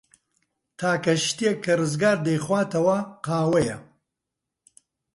تاکە شتێک کە ڕزگار دەیخواتەوە، قاوەیە.